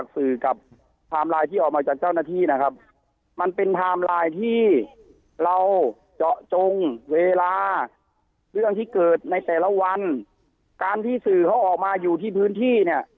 สื่อกับไทม์ไลน์ที่ออกมาจากเจ้าหน้าที่นะครับมันเป็นไทม์ไลน์ที่เราเจาะจงเวลาเรื่องที่เกิดในแต่ละวันการที่สื่อเขาออกมาอยู่ที่พื้นที่เนี่ย